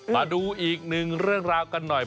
มาดูอีกหนึ่งเรื่องราวกันหน่อย